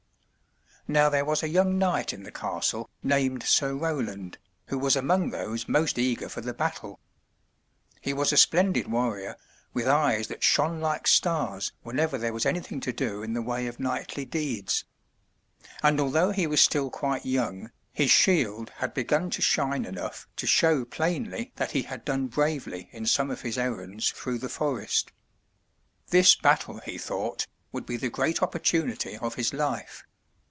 Now there was a young knight in the castle, named Sir Roland, who was among those most eager for the battle. He was a splendid warrior, with eyes that shone like stars whenever there was anything to do in the way of knightly deeds. And although he was still quite young, his shield had begun to shine enough to show plainly that he had done bravely in some of his errands through the forest. This battle, he thought, would be the great opportunity of his life.